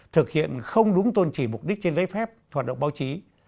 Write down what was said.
thực hiện không đúng tôn chỉ mục đích trên lấy phép hoạt động báo chí